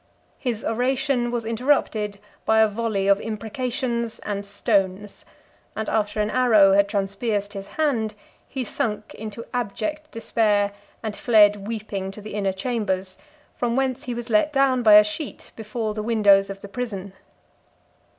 His oration was interrupted by a volley of imprecations and stones; and after an arrow had transpierced his hand, he sunk into abject despair, and fled weeping to the inner chambers, from whence he was let down by a sheet before the windows of the prison.